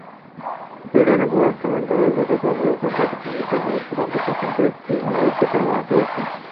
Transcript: সুইডেনের পররাষ্ট্র মন্ত্রণালয় গতকাল বলেছে, জাতিসংঘ প্যানেলের চূড়ান্ত সিদ্ধান্তের একটি অনুলিপি তারা পেয়েছে।